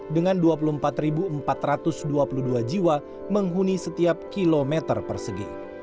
dengan dua puluh empat empat ratus dua puluh dua jiwa menghuni setiap kilometer persegi